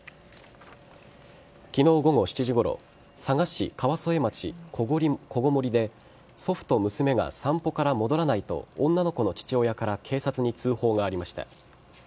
昨日午後７時ごろ佐賀市川副町小々森で祖父と娘が散歩から戻らないと女の子の父親から警察に通報がありました。